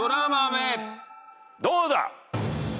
どうだ？